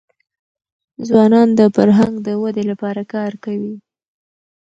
ځوانان د فرهنګ د ودې لپاره کار کوي.